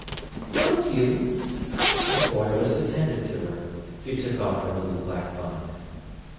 "Don't you?" The boy was attentive to her. She took off her little black bonnet.